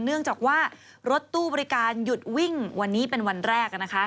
เนื่องจากว่ารถตู้บริการหยุดวิ่งวันนี้เป็นวันแรกนะคะ